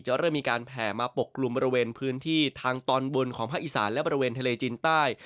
เริ่มมีการแผ่มาปกกลุ่มบริเวณพื้นที่ทางตอนบนของภาคอีสานและบริเวณทะเลจีนใต้